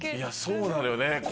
そうなのよね